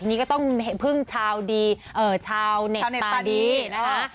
นี่ก็ต้องพึ่งชาวดีชาวเน็ตตาดีนะคะ